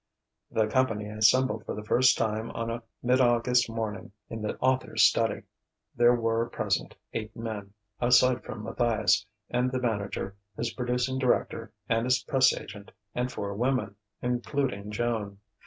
The company assembled for the first time on a mid August morning, in the author's study. There were present eight men, aside from Matthias and the manager, his producing director and his press agent, and four women, including Joan.